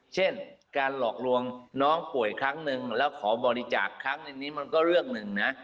เช่นการหลอกลวงน้องป่วยครั้งหนึ่งแล้วขอบริจาคครั้งหนึ่งนี้มันก็เรื่องหนึ่งนะ